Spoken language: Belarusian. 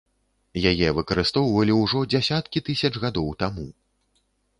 Яе выкарыстоўвалі ўжо дзясяткі тысяч гадоў таму.